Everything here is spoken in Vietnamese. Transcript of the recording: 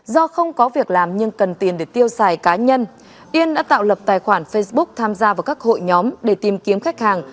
do không có việc làm nhưng cần tiền để tiêu xài cá nhân yên đã tạo lập tài khoản facebook tham gia vào các hội nhóm để tìm kiếm khách hàng